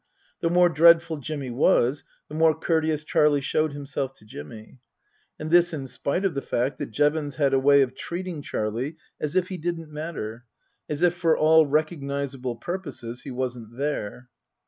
The more dreadful Jimmy was, the more courteous Charlie showed himself to Jimmy. And this in spite of the fact that Jevons had a way of treating Charlie as if he didn't matter, as if for all recog nizable purposes he wasn't there.